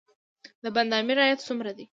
د بند امیر عاید څومره دی؟